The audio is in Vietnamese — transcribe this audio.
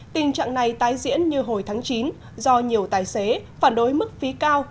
tình trạng này tái diễn như hồi tháng chín do nhiều tài xế phản đối mức phí cao